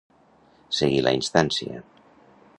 Seguir la instància.